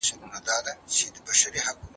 دا شورا به د کلتوري ميراثونو ساتنه يقيني کړي.